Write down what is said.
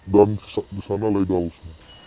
dan di sana legal semua